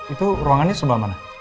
itu ruangannya sebelah mana